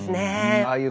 ああいう